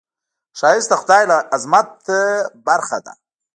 ښایست د خدای له عظمت نه برخه ده